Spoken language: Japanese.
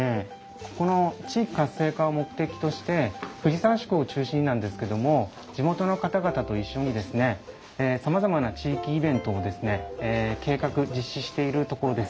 ここの地域活性化を目的として藤沢宿を中心になんですけども地元の方々と一緒にさまざまな地域イベントをですね計画実施しているところです。